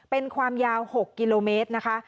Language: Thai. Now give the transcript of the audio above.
เป็นความยาว๖กิโลเมตรนะคะ